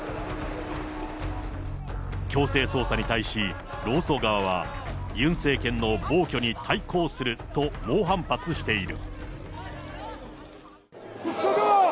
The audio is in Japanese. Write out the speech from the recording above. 強制捜査に対し、労組側はユン政権の暴挙に対抗すると、猛反発している。